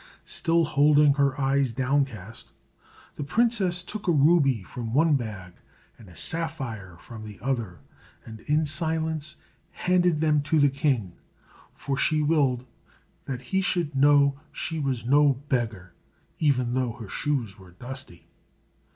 Still holding her eyes downcast, the princess took a ruby from one bag, and a sapphire from the other, and in silence handed them to the king, for she willed that he should know she was no beggar, even though her shoes were dusty.